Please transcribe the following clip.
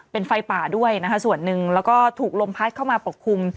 เป็นไฟป่าด้วยนะคะส่วนหนึ่งแล้วก็ถูกลมพัดเข้ามาปกคลุม